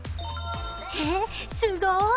え、すごい。